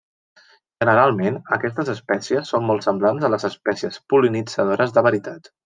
Generalment aquestes espècies són molt semblants a les espècies pol·linitzadores de veritat.